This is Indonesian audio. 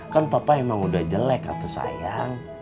kan papa emang udah jelek atau sayang